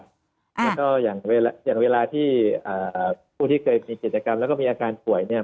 แล้วก็อย่างเวลาที่ผู้ที่เคยมีกิจกรรมแล้วก็มีอาการป่วยเนี่ย